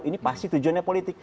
ini pasti tujuannya politik